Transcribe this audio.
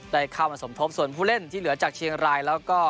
ได้เข้ามาสมทบส่วนผู้เล่นที่เหลือจากเชียงรายแล้วก็